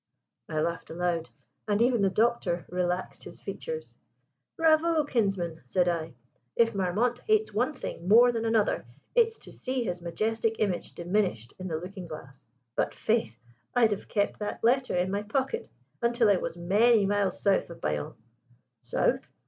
I laughed aloud, and even the Doctor relaxed his features. "Bravo, kinsman!" said I. "If Marmont hates one thing more than another it's to see his majestic image diminished in the looking glass. But faith! I'd have kept that letter in my pocket until I was many miles south of Bayonne." "South?